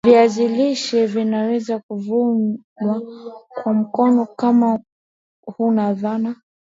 viazi lishe vinaweza kuvunwa kwa mkono kama huna dhana